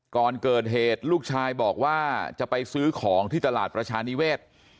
ก่อนเกิดเหตุลูกชายบอกว่าจะไปซื้อของที่ตลาดประชานิเวศ